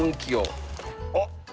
あっ！